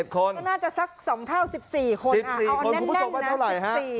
ก็น่าจะสักสองเท่า๑๔คนเอาแน่นนะ